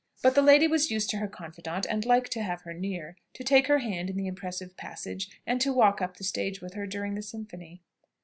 But the lady was used to her confidant, and liked to have her near, to take her hand in the impressive passages, and to walk up the stage with her during the symphony.